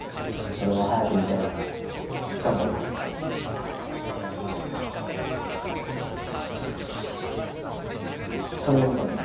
それは早く見たいな頑張ります神山さん